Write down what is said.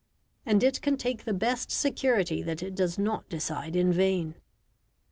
And it can take the best security that it does not decide in vain.